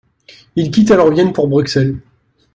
Il quitte alors Vienne pour Bruxelles.